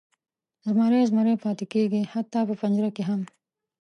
زمری زمری پاتې کیږي، حتی په پنجره کې هم.